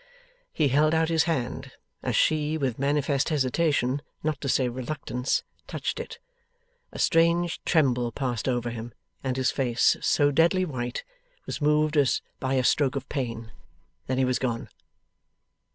He held out his hand. As she, with manifest hesitation, not to say reluctance, touched it, a strange tremble passed over him, and his face, so deadly white, was moved as by a stroke of pain. Then he was gone.